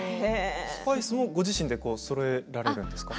スパイスもご自身でそろえられるんですか？